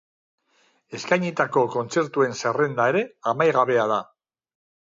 Eskainitako kontzertuen zerrenda ere amaigabea da.